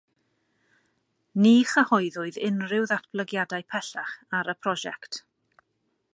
Ni chyhoeddwyd unrhyw ddatblygiadau pellach ar y prosiect.